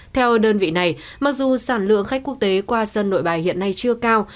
theo đơn vị này mặc dù sản lượng khách quốc tế qua sân nội bài hiện nay chưa cao